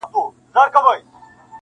لا ورکه له ذاهدهیاره لار د توبې نه ده-